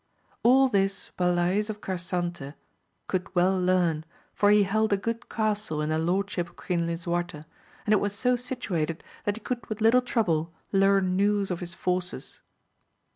All this Balays of Carsante, could well learn, for he held a good castle in the lord ship of King Lisuarte, and it was so situated that he could with Uttle trouble learn news of his forces.